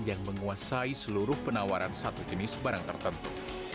yang menguasai seluruh penawaran satu jenis barang tertentu